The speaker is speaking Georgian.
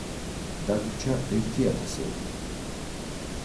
დაგვრჩა ერთი ათასეული